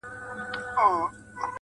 زما سره يې دومره ناځواني وكړله .